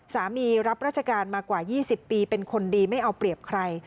รับราชการมากว่า๒๐ปีเป็นคนดีไม่เอาเปรียบใคร